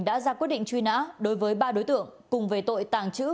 đã ra quyết định truy nã đối với ba đối tượng cùng về tội tàng trữ